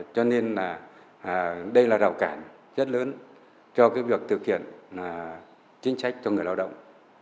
nhưng đây là rào cản rất lớn cho việc thực hiện chính sách cho người lao động